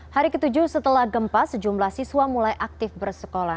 hari ketujuh setelah gempa sejumlah siswa mulai aktif bersekolah